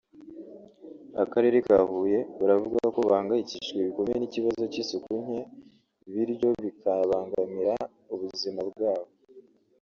Akarere ka Huye baravuga ko bahangayikishijwe bikomeye n’ikibazo cy’isuku nke biryo bikabangamira ubuzima bwabo